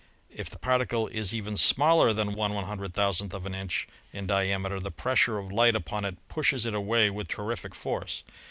If the particle is even smaller than Viooow °f an i n °h * n diameter the pressure of light upon it pushes it away with terrific force.